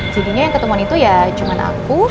jadinya yang ketemuan itu ya cuma aku